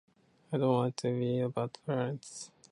I don't want to be a bad parent.